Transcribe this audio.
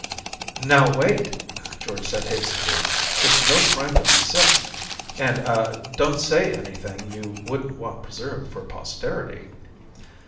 "Now, wait," George said hastily. "It's no crime to be sick. And ah don't say anything you wouldn't want preserved for posterity."